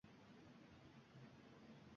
Gohida u bolaga sassiz tikilib qolardi